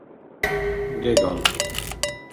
урегал